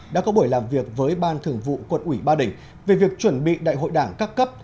đã có buổi làm việc với ban thường vụ quận ủy ba đình về việc chuẩn bị đại hội đảng các cấp